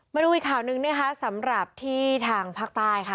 มาดูอีกข่าวหนึ่งนะคะสำหรับที่ทางภาคใต้ค่ะ